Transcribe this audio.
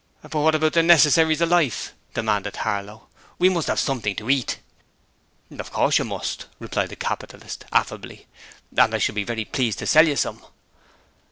'But what about the necessaries of life?' demanded Harlow. 'We must have something to eat.' 'Of course you must,' replied the capitalist, affably; 'and I shall be very pleased to sell you some.'